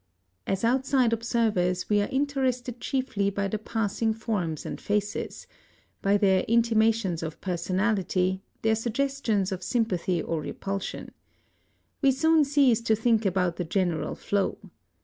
As outside observers we are interested chiefly by the passing forms and faces, by their intimations of personality, their suggestions of sympathy or repulsion. We soon cease to think about the general flow.